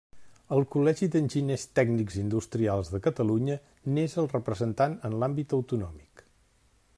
El Col·legi d’Enginyers Tècnics Industrials de Catalunya n'és el representant en l'àmbit autonòmic.